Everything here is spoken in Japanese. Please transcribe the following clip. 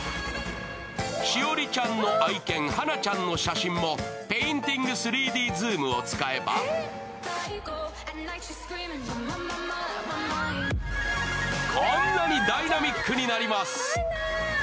栞里ちゃんの愛犬、はなちゃんの写真もペインティング３Ｄズームを使えばこんなにダイナミックになります。